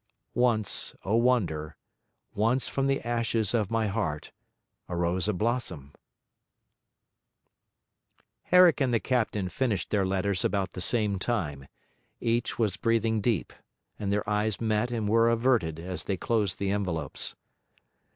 'Once, O wonder! once from the ashes of my heart Arose a blossom ' Herrick and the captain finished their letters about the same time; each was breathing deep, and their eyes met and were averted as they closed the envelopes.